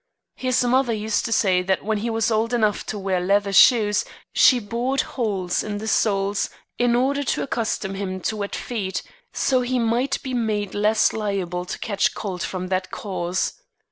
His mother used to say that when he was old enough to wear leather shoes she bored holes in the soles in order to accustom him to wet feet, so that he might be made less liable to catch cold from that cause.